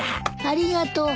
ありがとう。